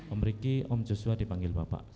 om riki om joshua dipanggil bapak